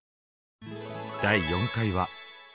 第４回は。